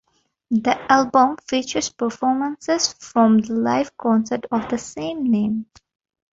The album features performances from the live concert of the same name.